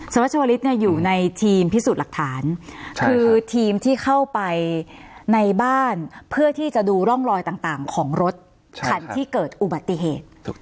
สวัชวลิศอยู่ในทีมพิสูจน์หลักฐานคือทีมที่เข้าไปในบ้านเพื่อที่จะดูร่องรอยต่างของรถคันที่เกิดอุบัติเหตุ